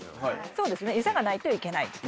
そうですね餌がないといけない。